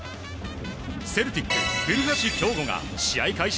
セルティック、古橋亨梧が試合開始